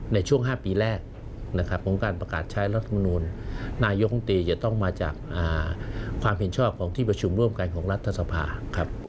ในช่วง๕ปีแรกของการประกาศใช้รัฐมนุนนายกองตีจะต้องมาจากความผิดชอบของที่ประชุมร่วมกันของรัฐทศาสภา